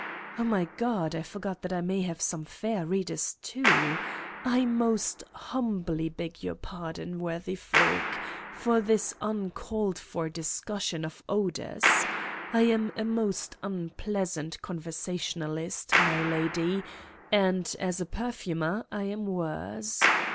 My God, I forgot that I may have some fair readers, too! I most humbly beg your pardon, worthy folk, for this uncalled for discussion of 81 Satan's Diary odors. I am a most unpleasant conversationalist, milady, and as a perfumer I am worse